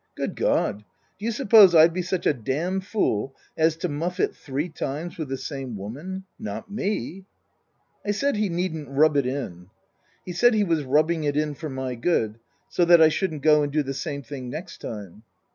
Good God ! D'you suppose 7'd be such a dam fool as to muff it three times with the same woman ? Not me !" I said he needn't rub it in. He said he was rubbing it in for my good, so that I shouldn't go and do the same thing next time.